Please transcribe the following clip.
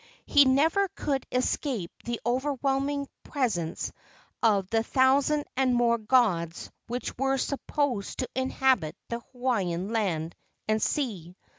He never could escape the overwhelming presence of the thousand and more gods which were supposed to inhabit the Hawaiian land and sea.